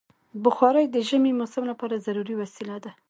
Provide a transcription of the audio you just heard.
بخاري د ژمي موسم لپاره ضروري وسیله ده.